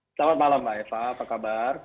selamat malam mbak eva apa kabar